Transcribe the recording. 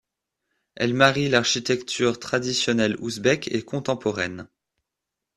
Elle marie l'architecture traditionnelle ouzbek et contemporaine.